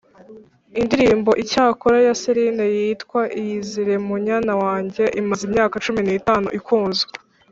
indirimbo Icyakora ya Celina yitwa iyizire munyana wanjye imaze imyaka cumi ni itanu ikunzwe